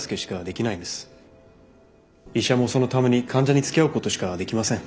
医者もそのために患者につきあうことしかできません。